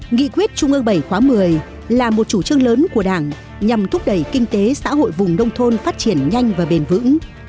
nghị quyết trung ương bảy khóa một mươi là một chủ trương lớn của đảng nhằm thúc đẩy kinh tế xã hội vùng nông thôn phát triển nhanh và bền vững